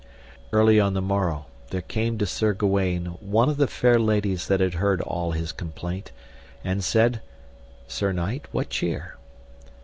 Early on the morrow there came to Sir Gawaine one of the four ladies that had heard all his complaint, and said, Sir knight, what cheer?